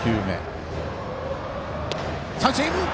三振。